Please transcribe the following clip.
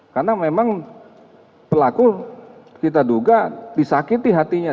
karena memang pelaku kita duga disakiti hatinya